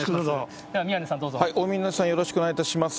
大峯さん、よろしくお願いいたします。